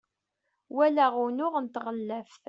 walaɣ unuɣ n tɣellaft